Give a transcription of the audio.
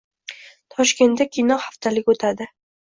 Toshkentda kino haftaligi o‘tadi